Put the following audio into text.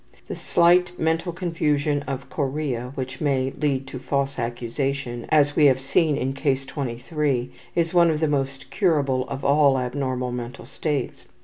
The slight mental confusion of chorea, which may lead to false accusation, as we have seen in Case 23, is one of the most curable of all abnormal mental states.